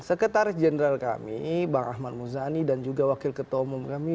sekretaris jeneral kami bang ahmad muzani dan juga wakil ketomong kami